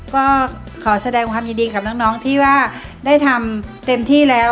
ก็ขอแสดงความยินดีกับน้องที่ว่าได้ทำเต็มที่แล้ว